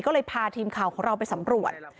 ก็เลยพาทีมข่าวของเราไปสำรวจ